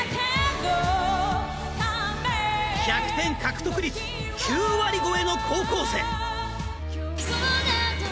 １００点獲得率９割超えの高校生。